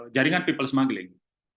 jaringan people smuggling